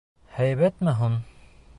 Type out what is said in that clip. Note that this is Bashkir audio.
Һәйбәтме һуң?